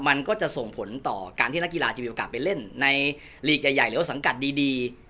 มันก็จะส่งผลต่อการที่นักกีฬาจะมีโอกาสไปเล่นในลีกใหญ่หรือว่าสังกัดดี